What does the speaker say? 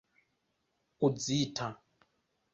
uzita